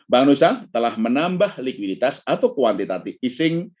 bangsa telah menambah likuiditas atau kuantitatif easing